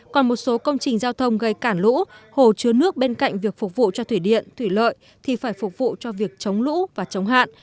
còn một số công trình giao thông gây cản lũ hồ chứa nước bên cạnh việc phục vụ cho thủy điện thủy lợi thì phải phục vụ cho việc chống lũ và chống hạn